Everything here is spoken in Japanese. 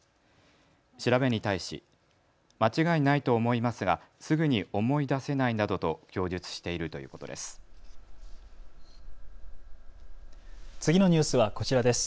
調べに対し、間違いないと思いますがすぐに思い出せないなどと供述しているということです。